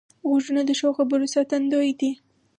غوږونه د ښو خبرو ساتندوی دي